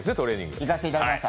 行かせていただきました。